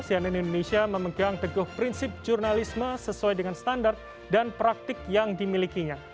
cnn indonesia memegang teguh prinsip jurnalisme sesuai dengan standar dan praktik yang dimilikinya